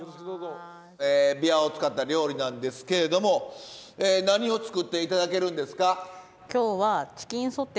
びわを使った料理なんですけれども何を作って頂けるんですか？